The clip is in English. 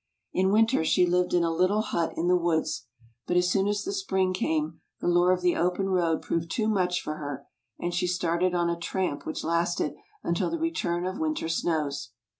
In winter she lived in a little hut in the woods, but as soon as the spring came the lure of the open road proved too much for her, and she staned on a tramp which lasted until the return of winter snows.